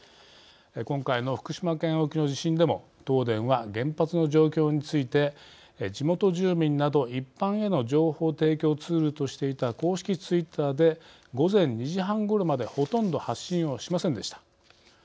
今回の福島県沖の地震でも東電は原発の状況について地元住民など一般への情報提供ツールとしていた公式ツイッターで午前２時半頃までほとんど発信をしませんでした。